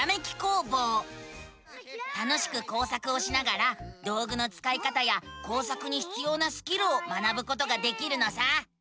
楽しく工作をしながら道ぐのつかい方や工作にひつようなスキルを学ぶことができるのさ！